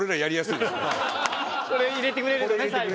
これ入れてくれるとね最後。